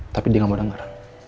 tapi dia gak mau dengar